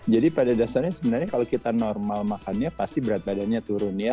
pada dasarnya sebenarnya kalau kita normal makannya pasti berat badannya turun ya